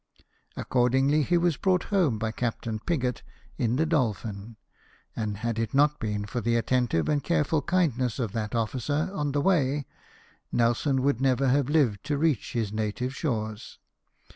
Accordingly, he was brought home by Captain Pigot, in the Dolphin; and had it not been for the attentive and careful kindness of that officer on the way. Nelson would never have hved to reach his native shores.